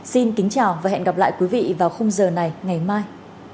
xin kính chào và hẹn gặp lại quý vị vào khung giờ này ngày mai